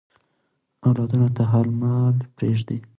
اولادونو ته حلال مال پریږدئ.